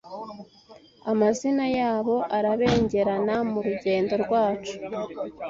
amazina yabo arabengerana murugendo rwacu